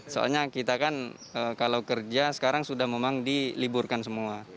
soalnya kita kan kalau kerja sekarang sudah memang diliburkan semua